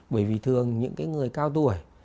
bởi vì thường những cái người cao tuổi